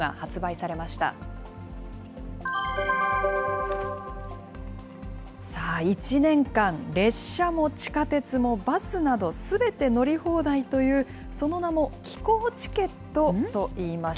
さあ、１年間、列車も地下鉄もバスなど、すべて乗り放題という、その名も気候チケットといいます。